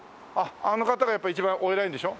あの方がやっぱり一番お偉いんでしょ？